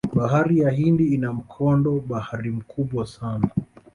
bahari ya hindi ina mkondo bahari mkubwa sana